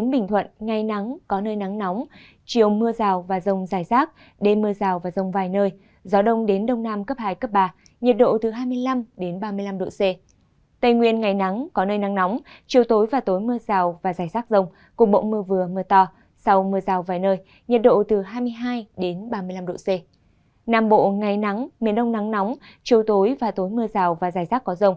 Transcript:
bộ ngày nắng miền đông nắng nóng chiều tối và tối mưa rào và dài rác có rồng